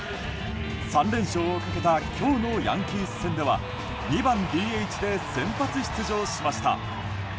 ３連勝をかけた今日のヤンキース戦では２番ＤＨで先発出場しました。